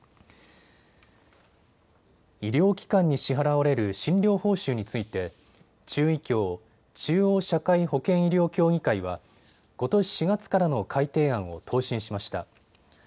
医療機関に支払われる診療報酬について中医協・中央社会保険医療協議会はことし４月からの改定案を答申しました。